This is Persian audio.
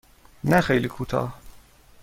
نه خیلی کوتاه.